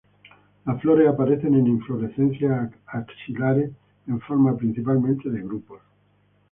Las flores aparecen en inflorescencias axilares en forma principalmente de grupos.